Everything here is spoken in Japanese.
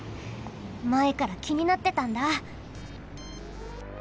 まえからきになってたんだ！